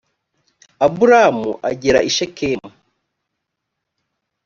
aburamu agera i shekemu